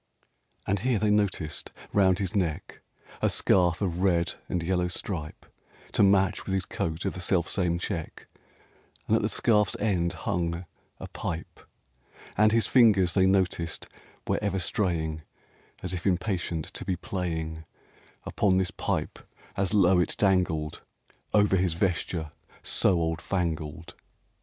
(And here they noticed round his neck A scarf of red and yellow stripe, To match with his coat of the self same check, And at the scarf's end hung a pipe; And his fingers, they noticed, were ever straying As if impatient to be playing Upon this pipe as low it dangled RAINBOW GOLD Over his vesture so old fangled.